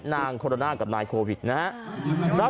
นางโคโรนากับนายโควิดนะครับ